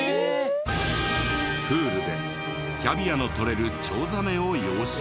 プールでキャビアのとれるチョウザメを養殖。